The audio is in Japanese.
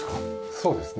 そうですね。